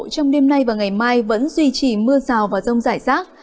trong đêm nay và ngày mai vẫn duy trì mưa rào và rông rải rác